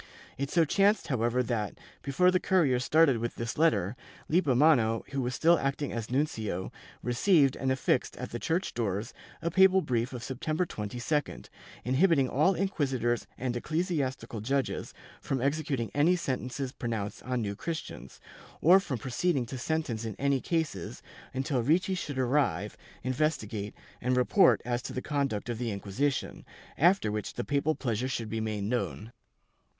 It so chanced however that, before the courier started with this letter, Lippomano, who was still acting as nuncio, re ceived and affixed at the church doors a papal brief of September 22d, inhibiting all inquisitors and ecclesiastical judges from exe cuting any sentences pronounced on New Christians, or from proceeding to sentence in any cases, until Ricci should arrive, investigate and report as to the conduct of the Inquisition, after which the papal pleasure should be made known.